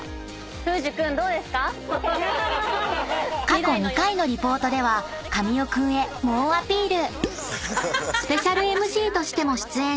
［過去２回のリポートでは神尾君へ猛アピール］